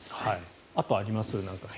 あとあります？